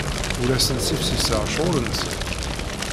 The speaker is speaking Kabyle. Ur asent-ssifsiseɣ ccɣel-nsent.